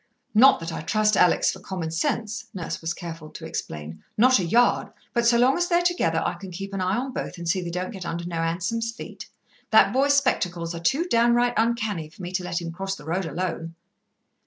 "Not that I trust Alex for common sense," Nurse was careful to explain, "not a yard, but so long as they're together I can keep an eye on both and see they don't get under no hansom's feet. That boy's spectacles are too downright uncanny for me to let him cross the road alone."